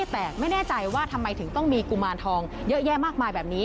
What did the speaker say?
แต่ไม่แน่ใจว่าทำไมถึงต้องมีกุมารทองเยอะแยะมากมายแบบนี้